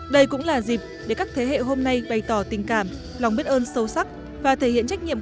đây cũng là dịp để các thế hệ hôm nay bày tỏ tình cảm lòng biết ơn sâu sắc và thể hiện trách nhiệm